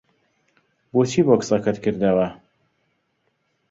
بۆچی بۆکسەکەت کردەوە؟